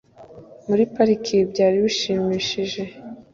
muri parike byari bishimishije